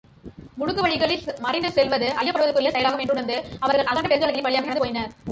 முடுக்கு வழிகளில் மறைந்து செல்வது ஐயப்படுவதற்குரிய செயலாகும் என்றுணர்ந்து அவர்கள் அகன்ற பெருஞ்சாலைகளின் வழியாகவே நடந்து போயினர்.